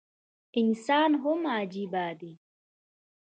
انسان هم عجيبه دی